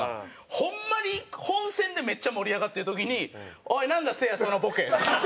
ホンマに本線でめっちゃ盛り上がってる時に「おいなんだ？せいやそのボケ」とか。